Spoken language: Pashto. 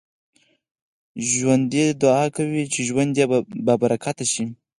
ژوندي دعا کوي چې ژوند يې بابرکته شي